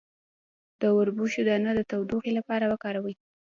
د وربشو دانه د تودوخې لپاره وکاروئ